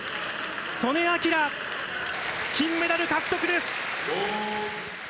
素根輝、金メダル獲得です！